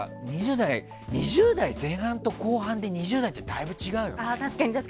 ２０代前半と後半で２０代って、だいぶ違うよね。